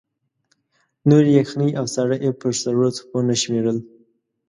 نورې یخنۍ او ساړه یې پر سړو څپو نه شمېرل.